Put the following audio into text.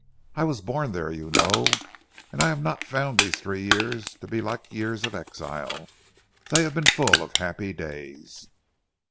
I was born there, you know, and I have not found these three years to be like years of exile they have been full of happy days."